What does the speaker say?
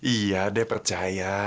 iya deh percaya